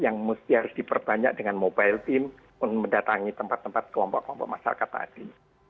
yang harus diperbanyak dengan mobile team mendatangi tempat tempat kelompok kelompok masyarakat tadi